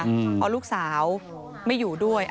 เพราะลูกสาวไม่อยู่ด้วย